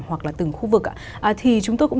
hoặc là từng khu vực thì chúng tôi cũng